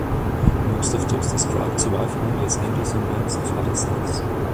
Most of those described survive only as endosymbionts of other cells.